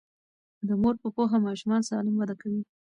د مور په پوهه ماشومان سالم وده کوي.